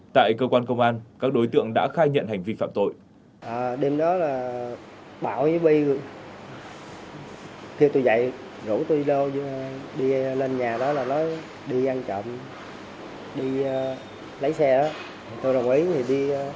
tại cơ quan công an các đối tượng đã khai nhận hành vi phạm tội